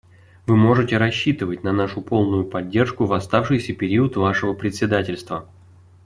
Вы можете рассчитывать на нашу полную поддержку в оставшийся период вашего председательства.